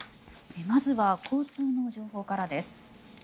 まずは交通の情報からです。